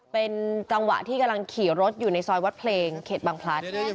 เป็นจังหวะที่กำลังขี่รถอยู่ในซอยวัดเพลงเขตบางพลัด